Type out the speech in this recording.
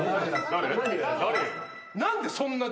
誰？